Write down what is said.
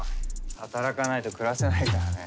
働かないと暮らせないからね。